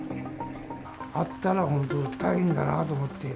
あったら本当、大変だなと思って。